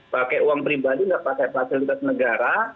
pakai uang pribadi nggak pakai fasilitas negara